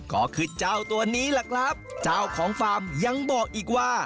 ก็คือเจ้าตัวนี้แหละครับเจ้าของฟาร์มยังบอกอีกว่า